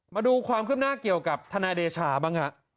มาดูความคืบหน้าเกี่ยวกับทนายเดชาบ้างฮะ